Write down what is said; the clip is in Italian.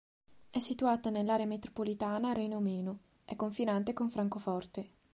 È situata nell'area metropolitana Reno-Meno, è confinante con Francoforte.